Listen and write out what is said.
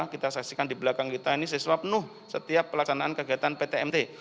kita saksikan di belakang kita ini siswa penuh setiap pelaksanaan kegiatan ptmt